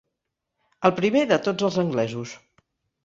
El primer de tots els anglesos.